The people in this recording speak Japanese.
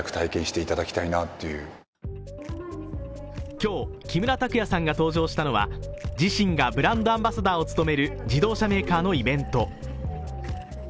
今日、木村拓哉さんが登場したのは自身がブランドアンバサダーを務める自動車メーカーのイベント。